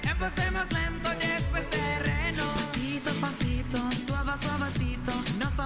nah seru ya seru ya